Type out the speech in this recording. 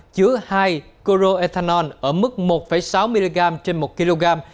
chứa hai coroethanol ở mức một sáu mg trên một kg